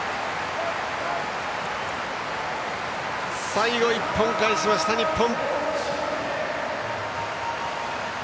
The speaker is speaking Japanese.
最後、１本返した日本！